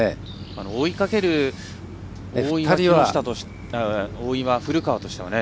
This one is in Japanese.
追いかける大岩、古川としてはね。